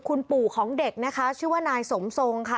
คุณปู่ของเด็กนะคะชื่อว่านายสมทรงค่ะ